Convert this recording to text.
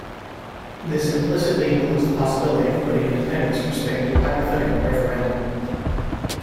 This implicitly includes the possibility of putting independence from Spain to a hypothetical referendum.